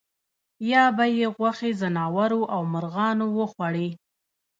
یا به یې غوښې ځناورو او مرغانو وخوړې.